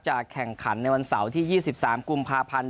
แข่งขันในวันเสาร์ที่๒๓กุมภาพันธ์